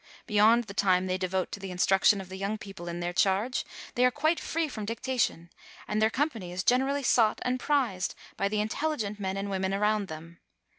Beyond the time they devote to the instruction of the young people in their charge, they are quite free from dictation, and their company is generally sought and prized by the intelligent men and women around them.